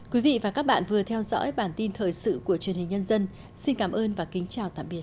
quý vị và các bạn vừa theo dõi bản tin thời sự của truyền hình nhân dân xin cảm ơn và kính chào tạm biệt